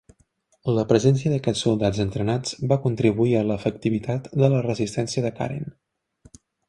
La presència d'aquests soldats entrenats va contribuir a l'efectivitat de la resistència de Karen.